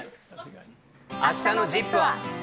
あしたのＺＩＰ！は。